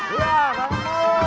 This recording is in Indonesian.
lompat lompat lompat